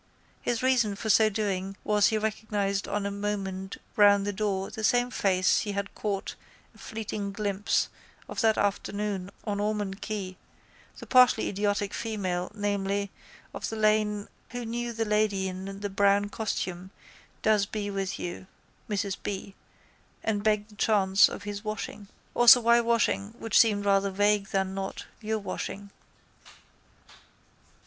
His reason for so doing was he recognised on the moment round the door the same face he had caught a fleeting glimpse of that afternoon on Ormond quay, the partially idiotic female, namely, of the lane who knew the lady in the brown costume does be with you (Mrs B.) and begged the chance of his washing. Also why washing which seemed rather vague than not, your washing.